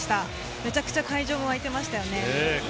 めちゃくちゃ会場も沸いていましたよね。